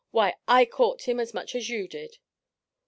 Why, I caught him as much as you did!"